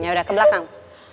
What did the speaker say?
yaudah ke belakang